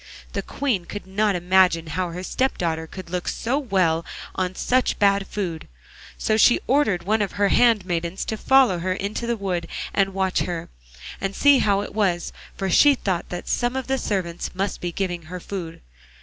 The Queen could not imagine how her step daughter could look so well on such bad food, so she ordered one of her handmaidens to follow her into the wood and watch her, and see how it was, for she thought that some of the servants must be giving her food.